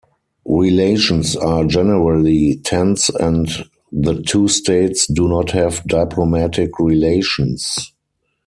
Relations are generally tense and the two states do not have diplomatic relations.